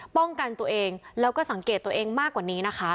ป้องกันตัวเองแล้วก็สังเกตตัวเองมากกว่านี้นะคะ